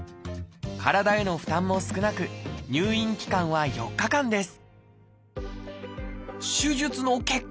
体への負担も少なく入院期間は４日間です。